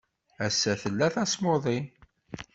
Ass-a tella tasmuḍi.